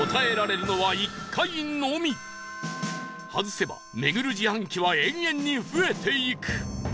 外せば巡る自販機は永遠に増えていく